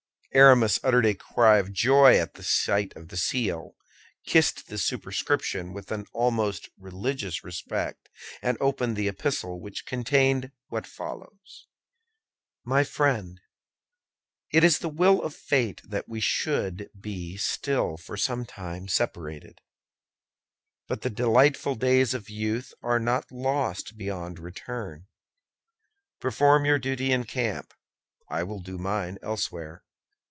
Aramis uttered a cry of joy at the sight of the seal, kissed the superscription with an almost religious respect, and opened the epistle, which contained what follows: "My Friend, it is the will of fate that we should be still for some time separated; but the delightful days of youth are not lost beyond return. Perform your duty in camp; I will do mine elsewhere.